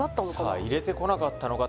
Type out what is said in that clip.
さあ入れてこなかったのか？